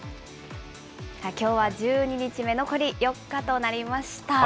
きょうは１２日目、残り４日となりました。